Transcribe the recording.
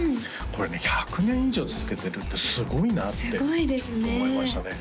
これね１００年以上続けてるってすごいなって思いましたね